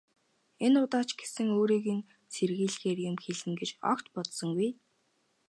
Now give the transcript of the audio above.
Энэ удаа ч гэсэн өөрийг нь сэрхийлгэхээр юм хэлнэ гэж огт бодсонгүй.